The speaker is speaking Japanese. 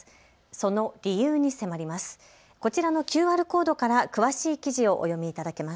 その理由に迫ります。